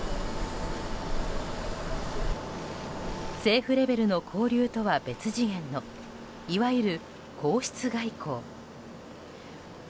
政府レベルの交流とは別次元のいわゆる皇室外交。